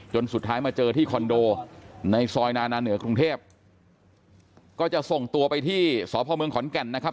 สุดท้ายมาเจอที่คอนโดในซอยนานาเหนือกรุงเทพก็จะส่งตัวไปที่สพเมืองขอนแก่นนะครับ